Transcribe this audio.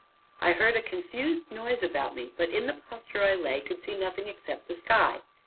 I heard a confused noise about me, but, in the posture I lay, could see nothing except the sky.